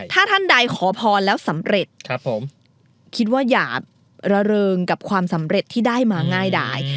ถ้าท่านใดขอพรแล้วสำเร็จคิดว่าอย่าระเริงกับความสำเร็จที่ได้มาง่ายดาย